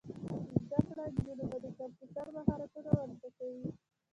زده کړه نجونو ته د کمپیوټر مهارتونه ور زده کوي.